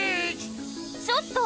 ちょっと！